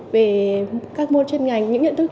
về các môn trên ngành những nhận thức